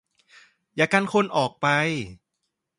อย่ากันคนออกไป